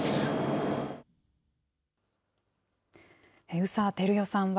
宇佐照代さんは、